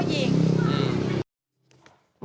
บ้านแทนแต่งประเภทที่แล้วเขาก็ยิง